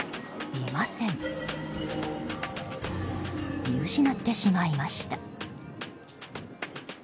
見失ってしまいました。